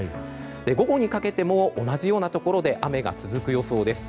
午後にかけても同じようなところで雨が続く予想です。